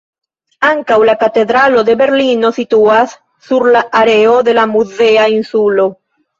Ankaŭ la Katedralo de Berlino situas sur la areo de la muzea insulo.